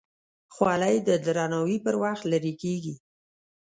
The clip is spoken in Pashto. خولۍ د درناوي پر وخت لرې کېږي.